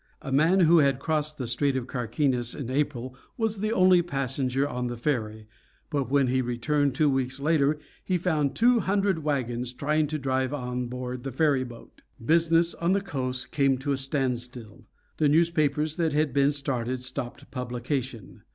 A man who had crossed the Strait of Carquines in April was the only passenger on the ferry, but when he returned two weeks later he found two hundred wagons trying to drive on board the ferry boat. Business on the coast came to a standstill. The newspapers that had been started stopped publication.